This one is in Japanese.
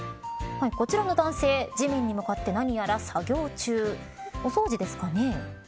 こちらの男性、地面に向かって何やら作業中お掃除ですかね。